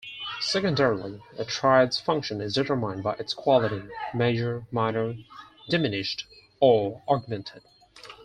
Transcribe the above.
Secondarily, a triad's function is determined by its quality: major, minor, diminished or augmented.